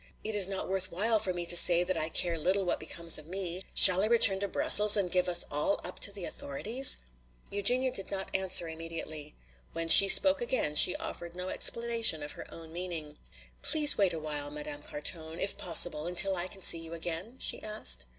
"It is not worth while for me to say that I care little what becomes of me. Shall I return to Brussels and give us all up to the authorities?" Eugenia did not answer immediately. When she spoke again she offered no explanation of her own meaning. "Please wait a while, Madame Carton, if possible, until I can see you again?" she asked.